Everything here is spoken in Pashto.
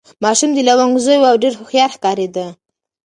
ماشوم د لونګ زوی و او ډېر هوښیار ښکارېده.